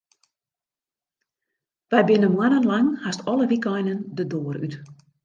Wy binne moannen lang hast alle wykeinen de doar út.